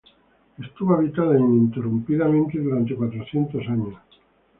Estuvo habitada ininterrumpidamente durante cuatrocientos años.